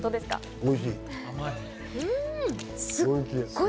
おいしい。